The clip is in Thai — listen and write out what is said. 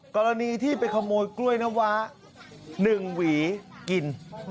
กรณีที่ไปขโมยกล้วยน้ำว้า๑หวีกิน